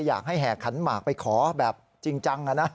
อยากให้แห่ขันหมากไปขอแบบจริงจังอ่ะนะ